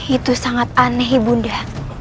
itu sangat aneh ibu nia